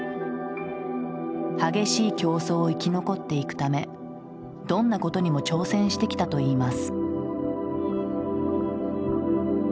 激しい競争を生き残っていくためどんなことにも挑戦してきたといいます。